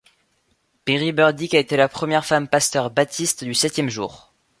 Perie Burdick a été la première femme pasteur baptiste du Septième Jour.